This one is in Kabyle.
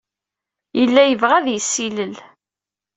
Yella yebɣa ad yessilel.